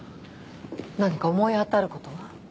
何か思い当たる事は？